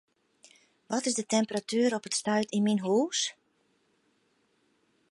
Wat is de temperatuer op it stuit yn myn hûs?